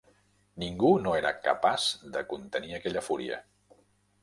Ningú no era capaç de contenir aquella fúria.